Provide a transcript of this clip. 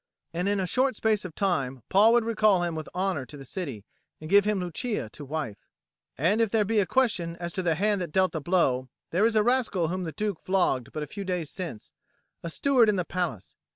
And in a short space of time Paul would recall him with honour to the city and give him Lucia to wife. "And if there be a question as to the hand that dealt the blow, there is a rascal whom the Duke flogged but a few days since, a steward in the palace.